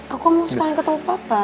aku mau sekalian ketemu papa